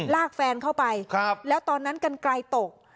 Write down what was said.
แฟนเข้าไปแล้วตอนนั้นกันไกลตก